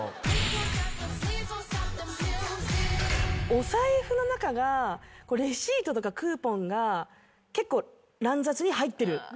お財布の中がレシートとかクーポンが結構乱雑に入ってる。